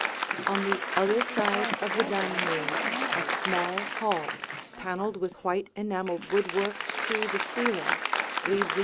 On the other side of the dining room a small hall, paneled with white enameled woodwork to the ceiling, leads into the living room.